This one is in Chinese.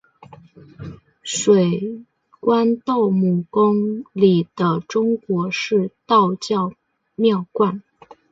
水碓斗母宫里的中国式道教庙观。